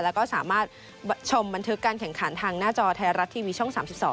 แล้วก็สามารถชมบันทึกการแข่งขันทางหน้าจอไทยรัฐทีวีช่อง๓๒